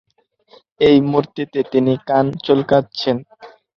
এই মূর্তিতে তিনি কান চুলকাচ্ছেন।